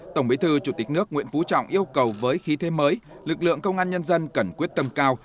tổng bí thư chủ tịch nước nguyễn phú trọng yêu cầu với khí thế mới lực lượng công an nhân dân cần quyết tâm cao